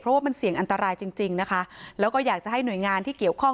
เพราะว่ามันเสี่ยงอันตรายจริงจริงนะคะแล้วก็อยากจะให้หน่วยงานที่เกี่ยวข้อง